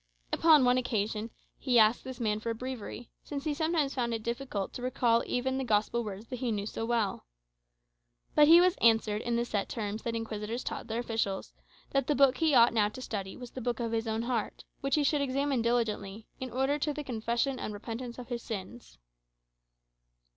Upon one occasion he asked this man for a Breviary, since he sometimes found it difficult to recall even the gospel words that he knew so well. But he was answered in the set terms the Inquisitors taught their officials, that the book he ought now to study was the book of his own heart, which he should examine diligently, in order to the confession and repentance of his sins.